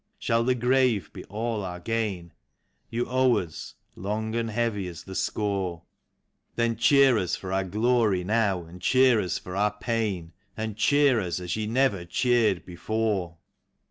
Shall the grave be all our gain? You owe us. Long and heavy is the score. Then cheer us for our glory now, and cheer us for our pain, And cheer us as ye never cheered before."